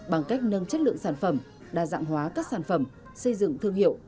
bằng cách nâng chất lượng sản phẩm đa dạng hóa các sản phẩm xây dựng thương hiệu